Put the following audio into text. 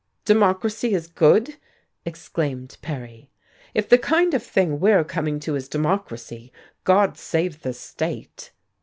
"Democracy is good!" exclaimed Perry. "If the kind of thing we're coming to is democracy, God save the state!"...